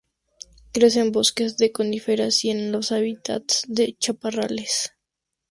Crece en bosques de coníferas y en los hábitats de chaparrales.